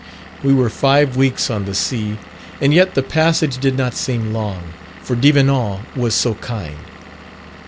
We were five weeks on the sea, and yet the passage did not seem long, for Devenant was so kind.